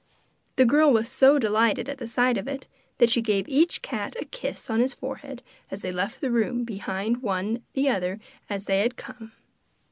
The girl was so delighted at the sight of it that she gave each cat a kiss on his forehead as they left the room behind one the other as they had come.